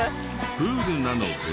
プールなので。